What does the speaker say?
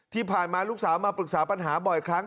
ที่ผ่านมาลูกสาวมาปรึกษาปัญหาบ่อยครั้ง